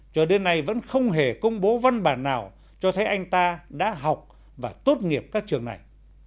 cho đến nay vẫn không hề công bố văn bản nào cho thấy anh ta đã học và tốt nghiệp các trường này